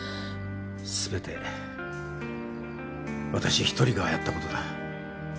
すべて私１人がやったことだ。